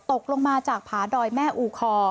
ตกลงมาจากผาดอยแม่อูคอ